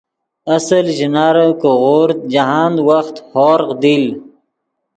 اصل ژینارے کہ غورد جاہند وخت ہورغ دیل